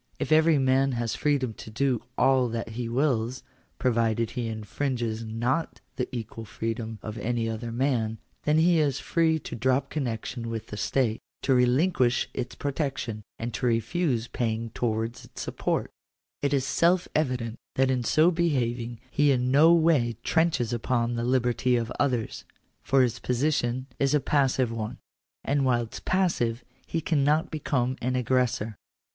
If every man has freedom to do all that he wills, , provided he infringes not thfc equal freedom of any other man, then he is free to drop connection with the state — to relinquish its protection, and to refuse paying towards its support It is ' self evident that in so behaving he in no way trenches upon the [liberty of others ; for his position is a passive one; and whilst passive he cannot become an aggressor.